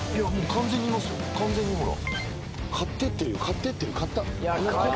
完全にほら。